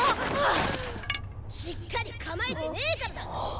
しっかり構えてねーからだッ！